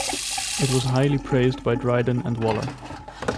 It was highly praised by Dryden and Waller.